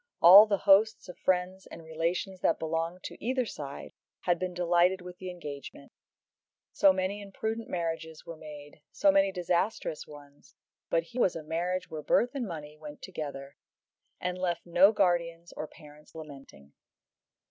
All the hosts of friends and relations that belonged to either side had been delighted with the engagement. So many imprudent marriages were made, so many disastrous ones; but here was a marriage where birth and money went together, and left no guardians or parents lamenting.